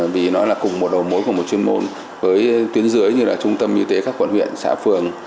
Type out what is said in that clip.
vì nó là cùng một đầu mối cùng một chuyên môn với tuyến dưới như là trung tâm y tế các quận huyện xã phường